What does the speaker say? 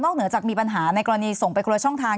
เหนือจากมีปัญหาในกรณีส่งไปคนละช่องทาง